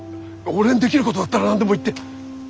俺にできることだったら何でも言って。